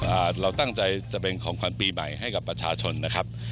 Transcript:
เราตั้งใจจะเป็นของขวัญปีใหม่ให้กับประชาชนนะครับ